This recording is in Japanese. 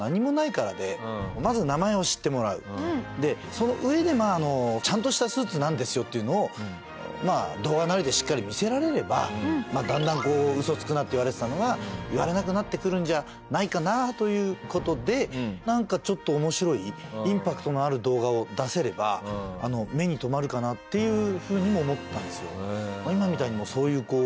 その上でまああのちゃんとしたスーツなんですよっていうのを動画なりでしっかり見せられればだんだんこうウソつくなって言われてたのが言われなくなってくるんじゃないかなという事でなんかちょっと面白いインパクトのある動画を出せれば目に留まるかなっていうふうにも思ったんですよ。